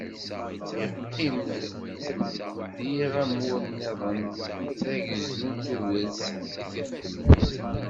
Iqqim-d diɣ amur-nniḍen d agezdu n Tubiret i t-ixeddmen.